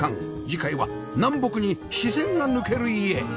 次回は南北に視線が抜ける家